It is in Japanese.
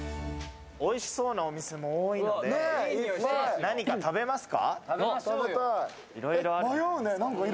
おいしそうなお店も多いんで、何か食べますか？